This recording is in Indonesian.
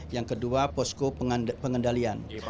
yang kedua posko pengendalian